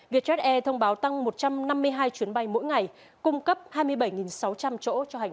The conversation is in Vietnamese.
vietjet air thông báo tăng một trăm năm mươi hai chuyến bay mỗi ngày cung cấp hai mươi bảy sáu trăm linh chỗ cho hành